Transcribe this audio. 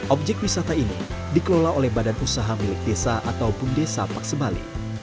objek wisata ini dikelola oleh badan usaha milik desa ataupun desa paksebali